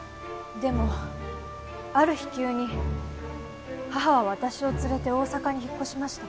でもある日急に母は私を連れて大阪に引っ越しました。